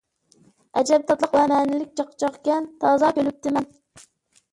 ئەجەب تاتلىق ۋە مەنىلىك چاقچاقكەن! تازا كۈلۈپتىمەن.